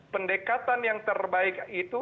pendekatan yang terbaik itu